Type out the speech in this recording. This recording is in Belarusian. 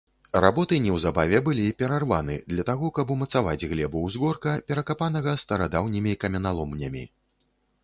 Работы неўзабаве былі перарваны для таго, каб умацаваць глебу ўзгорка, перакапанага старадаўнімі каменяломнямі.